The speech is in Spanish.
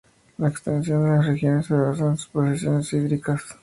La extensión de las regiones se basa en sus posesiones hídricas.